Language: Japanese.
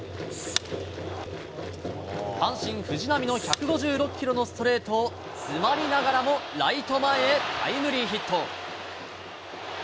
阪神、藤浪の１５６キロのストレートを、詰まりながらもライト前へタイムリーヒット。